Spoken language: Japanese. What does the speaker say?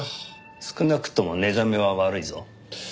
少なくとも寝覚めは悪いぞ。